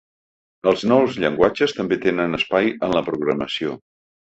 Els nous llenguatges també tenen espai en la programació.